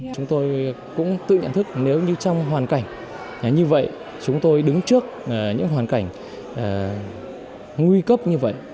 chúng tôi cũng tự nhận thức nếu như trong hoàn cảnh như vậy chúng tôi đứng trước những hoàn cảnh nguy cấp như vậy